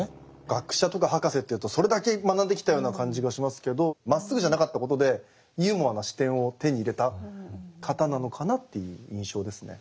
学者とか博士っていうとそれだけ学んできたような感じがしますけどまっすぐじゃなかったことでユーモアな視点を手に入れた方なのかなっていう印象ですね。